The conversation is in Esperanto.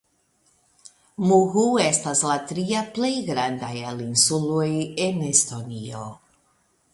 Muhu estas la tria plej granda el insuloj en Estonio.